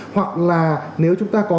hoặc là nếu chúng ta có